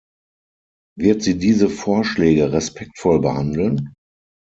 Wird sie diese Vorschläge respektvoll behandeln?